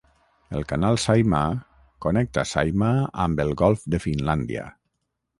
El Canal Saimaa connecta Saimaa amb el Golf de Finlàndia.